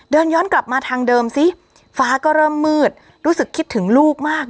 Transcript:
เดินย้อนกลับมาทางเดิมซิฟ้าก็เริ่มมืดรู้สึกคิดถึงลูกมาก